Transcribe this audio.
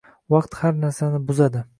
vaqt har narsani buzadi